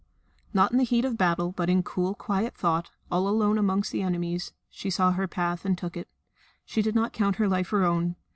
Not in the heat of battle, but in cool quiet thought, all alone among enemies, she saw her path and took it. She did not count her life her own.